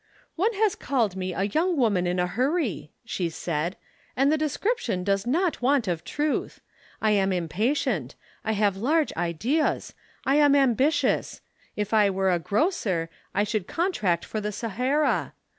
"One has called me a young woman in a hurry," she said, "and the description does not want of truth. I am impatient; I have large ideas; I am ambitious. If I were a grocer I should contract for the Sahara.